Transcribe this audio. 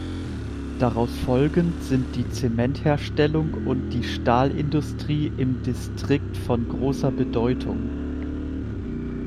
Daraus folgend sind die Zementherstellung und die Stahlindustrie im Distrikt von großer Bedeutung.